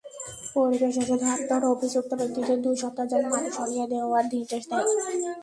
পরিবেশ অধিদপ্তর অভিযুক্ত ব্যক্তিদের দুই সপ্তাহের মধ্যে মাটি সরিয়ে নেওয়ার নির্দেশ দেয়।